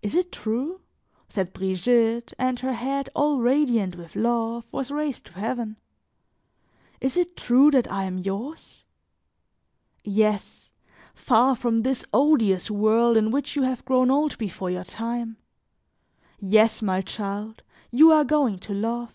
"Is it true?" said Brigitte, and her head, all radiant with love, was raised to heaven; "is it true that I am yours? Yes, far from this odious world in which you have grown old before your time yes, my child, you are going to love.